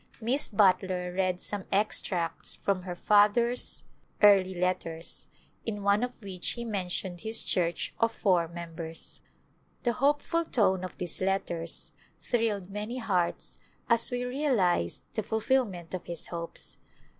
Miss Butler read some extracts from her father's early [ 345 ] A Glimpse of India letters, in one of which he mentioned his church of four members. The hopeful tone of these letters thrilled many hearts as we realized the fulfillment of his hopes.